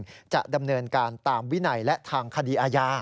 ความผิดจริงจะดำเนินการตามวิไหนและทางคดีอาญา